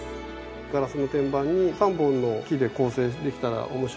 ガラスの天板に３本の木で構成できたら面白いなと思って。